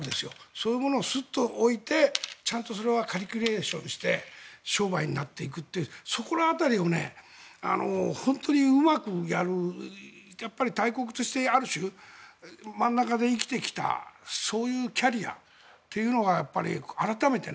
そういうものをすっと置いてちゃんとそれはカリキュレーションして商売になっていくというそこら辺りを本当にうまくやる大国としてある種、真ん中で生きてきたそういうキャリアというのが改めて。